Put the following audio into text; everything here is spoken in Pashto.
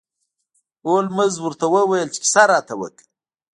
هولمز ورته وویل چې کیسه راته وکړه.